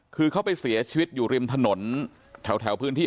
คือเขาไปเสียชีวิตอยู่ริมถนนแถวพื้นที่